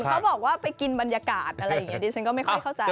เขาบอกว่าไปกินบรรยากาศอะไรอย่างนี้ดิฉันก็ไม่ค่อยเข้าใจ